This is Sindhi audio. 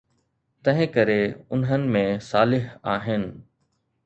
تنهن ڪري، انهن ۾ صالح آهن